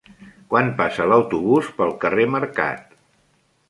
Quan passa l'autobús pel carrer Mercat?